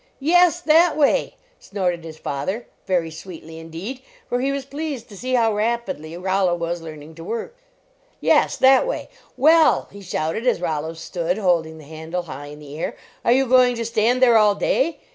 "Yes, that way!" snorted his father, very sweetly, indeed, for he was pleased to see how rapidly Rollo was learning to work. "Yes, that way. Well," he shouted, as Rollo stood holding the handle high in the air, " are you going to stand there all day?